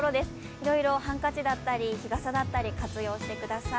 いろいろハンカチだったり日傘だったり活用してください。